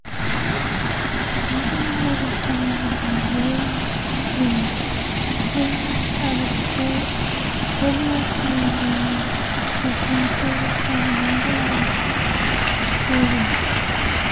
Richt was hired by Bill Lewis, who had previously been defensive coordinator at Georgia.